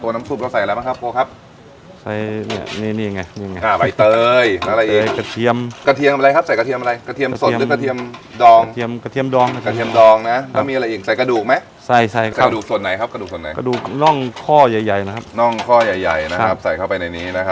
อ่าเราก็ใส่เครื่องนะครับความลับเยอะไม่ยอมบอก